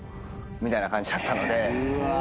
みたいな感じだったので。